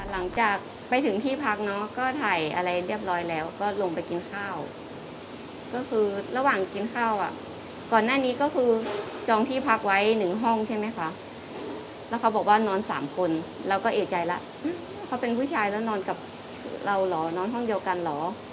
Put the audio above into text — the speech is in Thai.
หลังจากไปถึงที่พักเนาะก็ถ่ายอะไรเรียบร้อยแล้วก็ลงไปกินข้าวก็คือระหว่างกินข้าวอ่ะก่อนหน้านี้ก็คือจองที่พักไว้หนึ่งห้องใช่ไหมคะแล้วเขาบอกว่านอนสามคนเราก็เอกใจแล้วเขาเป็นผู้ชายแล้วนอนกับเราเหรอนอนห้องเดียวกันเหรอ